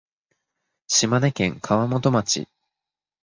島根県川本町